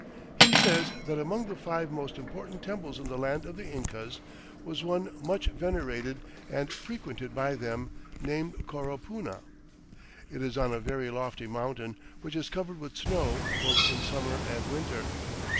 He says that among the five most important temples in the Land of the Incas was one "much venerated and frequented by them, named Coropuna." "It is on a very lofty mountain which is covered with snow both in summer and winter.